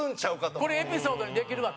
これ、エピソードにできるわと。